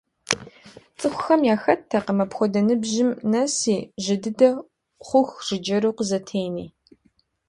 ЦӀыхухэм яхэттэкъым апхуэдэ ныбжьым нэси, жьы дыдэ хъуху жыджэру къызэтени.